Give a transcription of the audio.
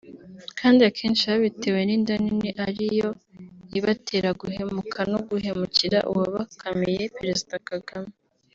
kandi akenshi babitewe n’inda nini ariyo ibatera guhemuka no guhemukira uwabakamiye (Perezida Kagame)